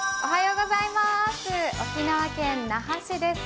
沖縄県那覇市です。